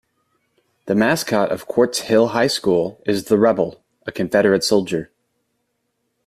The mascot of Quartz Hill High School is the Rebel, a confederate soldier.